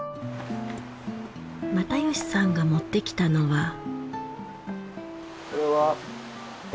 又吉さんが持ってきたのは。